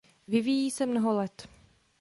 Vyvíjí se mnoho let.